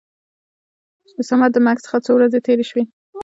د صمد د مرګ څخه څو ورځې تېرې شوې.